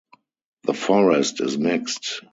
The forest is mixed.